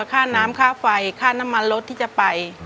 ค่าน้ำค่าไฟค่าน้ำมันรถที่จะไป